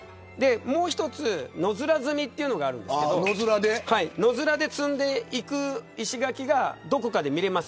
もう一つ、野面積というのがあるんですけど野面で積んでいく石垣がどこかで見れます。